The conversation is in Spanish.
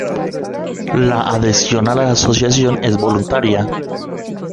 La adhesión a la asociación es voluntaria.